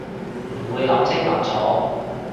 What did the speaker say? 唔會諗清諗楚